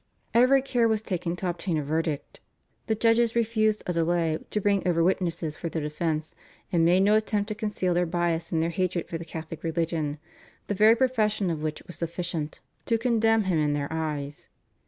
Every care was taken to obtain a verdict. The judges refused a delay to bring over witnesses for the defence, and made no attempt to conceal their bias and their hatred for the Catholic religion, the very profession of which was sufficient to condemn him in their eyes.